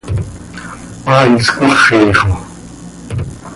¡Hai iscmaxi xo!